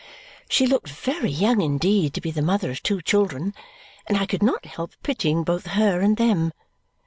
She looked very young indeed to be the mother of two children, and I could not help pitying both her and them.